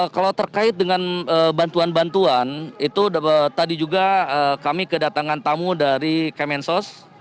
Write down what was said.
kalau terkait dengan bantuan bantuan itu tadi juga kami kedatangan tamu dari kemensos